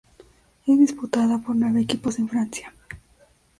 Es disputada por nueve equipos en Francia.